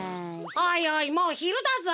おいおいもうひるだぞ！